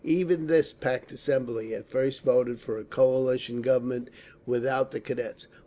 Even this packed assembly at first voted for a _Coalition Government without the Cadets.